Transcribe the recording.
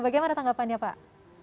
bagaimana tanggapannya pak